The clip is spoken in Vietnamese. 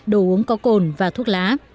đồ uống có cồn và thuốc lá